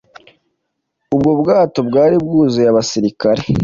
ubwo bwato bwari bwuzuye abasirikare